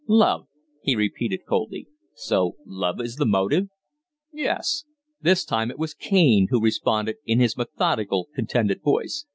"Love?" he repeated, coldly. "So love is the motive?" "Yes." This time it was Kaine who responded in his methodical, contented voice.